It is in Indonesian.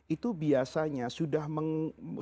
itu biasanya sudah mengurangkan